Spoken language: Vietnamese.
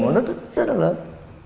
nó rất là lớn